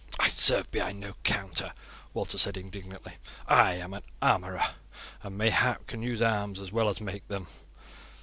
"I serve behind no counter," Walter said indignantly. "I am an armourer, and mayhap can use arms as well as make them."